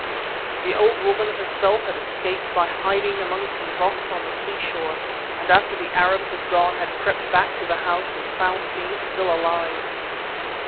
The old woman herself had escaped by hiding among some rocks on the seashore, and after the Arabs had gone had crept back to the house and found me still alive.